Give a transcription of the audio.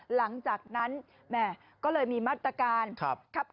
หลังจากนั้นก็เลยมีมาตรการ